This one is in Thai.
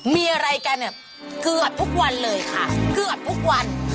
มีอะไรกันเนี่ยเกือบทุกวันเลยค่ะเกือบทุกวัน